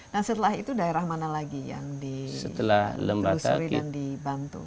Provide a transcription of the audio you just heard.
nah setelah itu daerah mana lagi yang ditelusuri dan dibantu